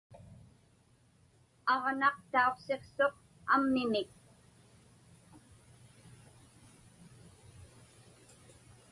Aġnaq tauqsiqsuq ammimik.